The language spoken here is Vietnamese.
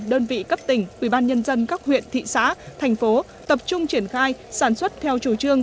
đơn vị cấp tỉnh ubnd các huyện thị xã thành phố tập trung triển khai sản xuất theo chủ trương